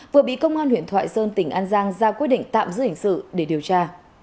vừa bị công an huyện thoại sơn tỉnh an giang ra quyết định tạm giữ hình sự để điều tra